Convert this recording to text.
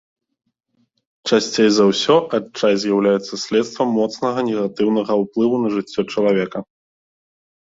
Часцей за ўсё адчай з'яўляецца следствам моцнага негатыўнага ўплыву на жыццё чалавека.